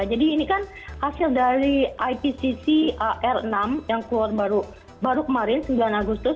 jadi ini kan hasil dari ipcc ar enam yang keluar baru kemarin sembilan agustus